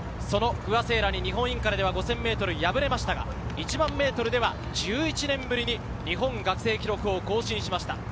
不破聖衣来に日本インカレでは５０００ｍで敗れましたが、１００００ｍでは１１年ぶりに日本学生記録を更新しました。